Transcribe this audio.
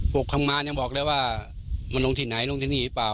ทำงานยังบอกเลยว่ามันลงที่ไหนลงที่นี่หรือเปล่า